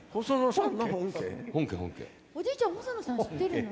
おじいちゃん細野さん知ってるの？